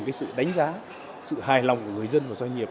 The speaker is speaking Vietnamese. cái đánh giá của người dân và doanh nghiệp